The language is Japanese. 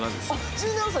１７歳。